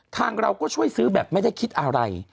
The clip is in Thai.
ทางเราก็ช่วยซื้อแบบไม่ได้คิดอะไร